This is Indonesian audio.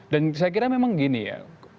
dan saya kira memang gini ya